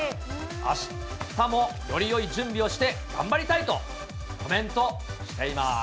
あしたもよりよい準備をして頑張りたいとコメントしています。